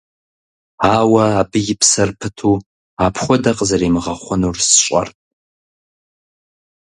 Ауэ абы и псэр пыту апхуэдэ къызэримыгъэхъунур сщӏэрт.